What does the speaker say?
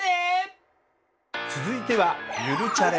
続いては「ゆるチャレ」。